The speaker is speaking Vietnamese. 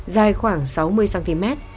dài khoảng sáu mươi cm